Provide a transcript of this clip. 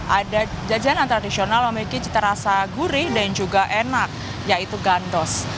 ada jajanan tradisional memiliki cita rasa gurih dan juga enak yaitu gandos